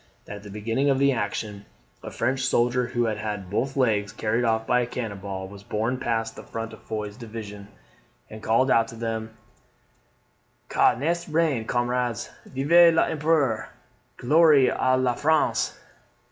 ] that at the beginning of the action, a French soldier who had had both legs carried off by a cannon ball, was borne past the front of Foy's division, and called out to them, "Ca n'est rien, camarades; Vive l'Empereur! Gloire a la France!"